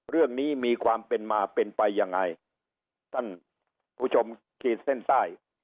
เรื่องนี้มีความเป็นมาเป็นไปยังไงท่านผู้ชมขีดเส้นใต้